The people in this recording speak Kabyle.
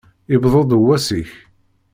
Yewweḍ-d wass-ik!